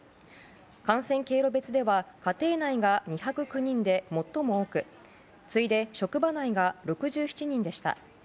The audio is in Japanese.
感染経路別では家庭内が２０９人で最も多く次いで職場内が６７人でした。